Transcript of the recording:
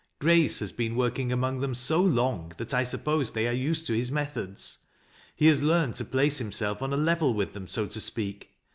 Grace has been working among them so long that, I suppose, they are used to his methods ; he has learned to place himself on a level with them, so to speak.